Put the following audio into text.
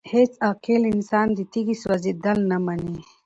هيڅ عاقل انسان د تيږي سوزيدل نه مني!!